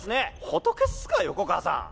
仏っすか横川さん！